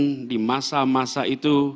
kemudian di masa masa itu